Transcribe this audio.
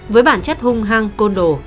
với bản chất hung hăng côn đổ